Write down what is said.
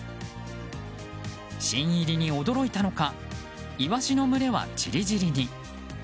新入りに驚いたのかイワシの群れは散り散りに。